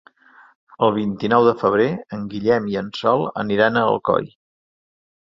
El vint-i-nou de febrer en Guillem i en Sol aniran a Alcoi.